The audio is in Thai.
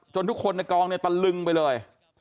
ทุกคนในกองเนี่ยตะลึงไปเลย